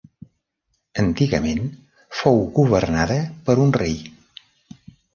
Antigament fou governada per un rei.